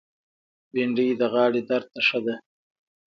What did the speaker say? بېنډۍ د غاړې درد ته ښه ده